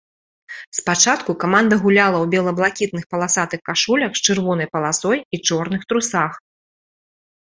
Спачатку каманда гуляла ў бела-блакітных паласатых кашулях з чырвонай паласой і чорных трусах.